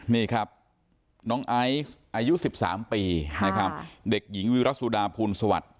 นี่ครับน้องไอ๊อายุ๑๓ปีเด็กหญิงวิรักษุดาภูมิโสวัสดิ์